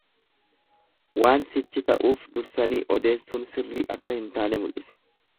Waan sichi ta'uuf dursanii odeessuun sirrii akka hin taane mul'isa.